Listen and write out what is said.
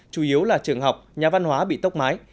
chủ yếu là trường học nhà văn hóa bị tốc mái